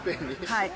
はい。